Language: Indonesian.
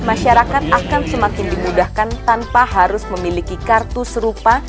masyarakat akan semakin dimudahkan tanpa harus memiliki kartu serupa